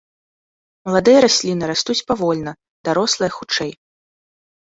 Маладыя расліны растуць павольна, дарослыя хутчэй.